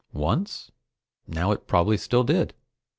Once? Now it probably still did.